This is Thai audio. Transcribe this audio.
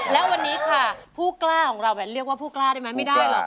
แล้ววันนี้ค่ะผู้กล้าของเราแว้นเรียกว่าผู้กล้าได้ไหมไม่ได้หรอก